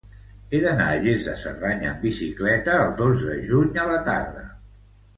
He d'anar a Lles de Cerdanya amb bicicleta el dos de juny a la tarda.